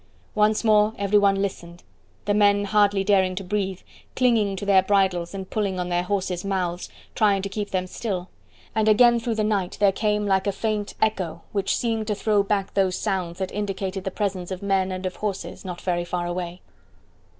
Once more every one listened, the men hardly daring to breathe, clinging to their bridles and pulling on their horses' mouths, trying to keep them still, and again through the night there came like a faint echo which seemed to throw back those sounds that indicated the presence of men and of horses not very far away.